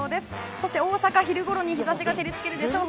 そして大阪昼ごろに日差しが照り付けるでしょう。